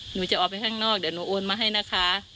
หนูจะออกไปข้างนอกเดี๋ยวหนูโอนมาให้นะคะ